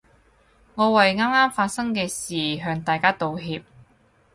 我為啱啱發生嘅事向大家道歉